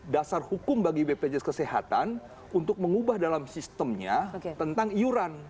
dasar hukum bagi bpjs kesehatan untuk mengubah dalam sistemnya tentang iuran